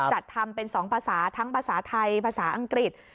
จัดทำเป็น๒ภาษาทั้งภาษาไทยภาษาอังกฤษ